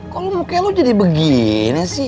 kok lu buke lu jadi begini sih